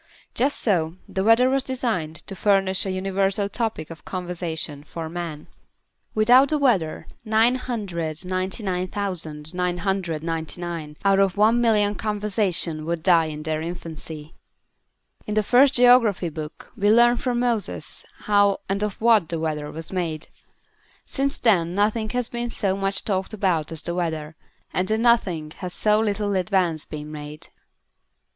Just so the Weather was designed to furnish a universal topic of conversation for Man. Without the Weather, 999,999 out of 1,000,000 conversations would die in their infancy. In the first geography book we learn from Moses how and of what the Weather was made. Since then, nothing has been so much talked about as the Weather, and in nothing has so little advance been made.